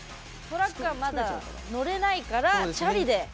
トラックはまだ乗れないからチャリで。